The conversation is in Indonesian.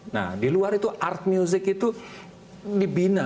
nah di luar itu art music itu dibina